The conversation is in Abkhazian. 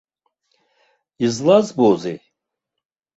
Излазбозеи.